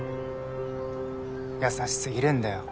優しすぎるんだよ